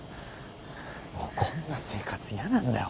もうこんな生活嫌なんだよ。